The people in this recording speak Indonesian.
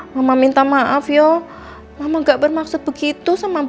mbak catherine tuh marah sama mba mbak catherine tuh marah sama mba